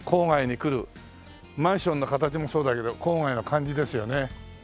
マンションの形もそうだけど郊外の感じですよね。